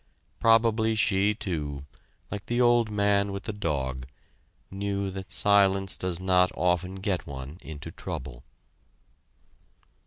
Probably she, too, like the old man with the dog, knew that silence does not often get one into trouble.